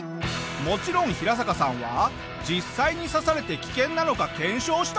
もちろんヒラサカさんは実際に刺されて危険なのか検証したぞ。